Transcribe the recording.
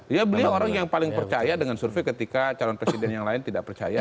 ya beliau orang yang paling percaya dengan survei ketika calon presiden yang lain tidak percaya